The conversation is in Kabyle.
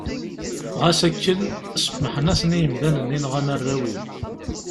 Ɣas akken, semmḥen-asen i yimdanen yenɣan arraw-iw.